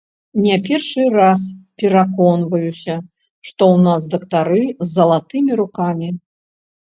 Не першы раз пераконваюся, што ў нас дактары з залатымі рукамі.